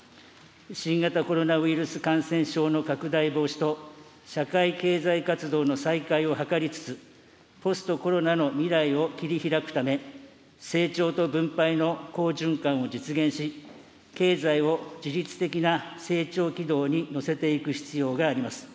新型コロナウイルス感染症の拡大防止と、社会経済活動の再開を図りつつ、ポストコロナの未来を切りひらくため、成長と分配の好循環を実現し、経済を自律的な成長軌道に乗せていく必要があります。